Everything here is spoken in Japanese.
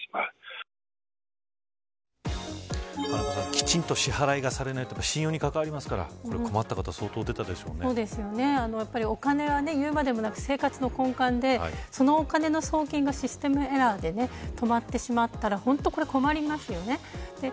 きちんと支払いされないとか信用に関わりますからお金は言うまでもなく生活の根幹でその送金がシステムエラーで止まってしまったら本当に困りますよね。